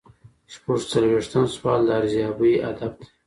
شپږ څلویښتم سوال د ارزیابۍ هدف دی.